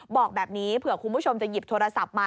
บอกแบบนี้เผื่อคุณผู้ชมจะหยิบโทรศัพท์มา